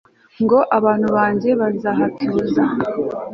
ngo abantu banjye nzahatuza